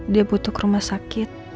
dia butuh ke rumah sakit